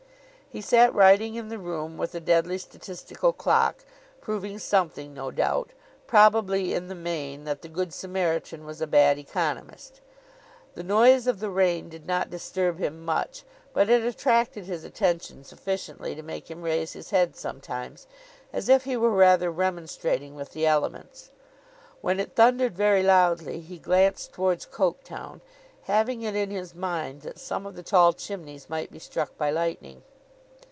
He sat writing in the room with the deadly statistical clock, proving something no doubt—probably, in the main, that the Good Samaritan was a Bad Economist. The noise of the rain did not disturb him much; but it attracted his attention sufficiently to make him raise his head sometimes, as if he were rather remonstrating with the elements. When it thundered very loudly, he glanced towards Coketown, having it in his mind that some of the tall chimneys might be struck by lightning.